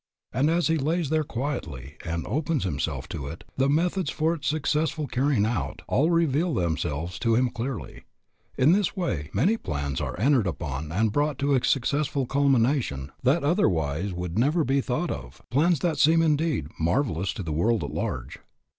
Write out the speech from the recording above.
And as he lays there quietly and opens himself to it, the methods for its successful carrying out all reveal themselves to him clearly. In this way many plans are entered upon and brought to a successful culmination that otherwise would never be thought of, plans that seem, indeed, marvelous to the world at large.